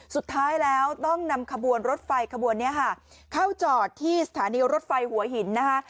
สุดท้ายแล้วต้องนำขบวนรถไฟขบวนนี้ค่ะเข้าจอดที่สถานีรถไฟหัวหินนะคะ